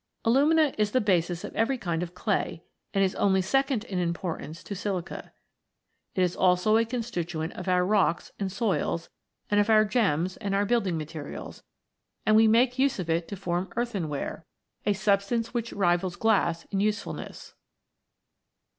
Alumina is the basis of every kind of clay, and is only second in importance to silica. It is also a constituent of our rocks and soils, of our gems, and our building materials ; and we make use of it to form eartfonware, a substance which rivals glass in usefulness.